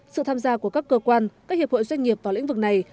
sự tham gia của các cơ quan các hiệp hội doanh nghiệp vào lĩnh vực này